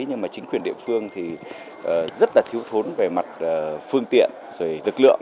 nhưng mà chính quyền địa phương thì rất là thiếu thốn về mặt phương tiện rồi lực lượng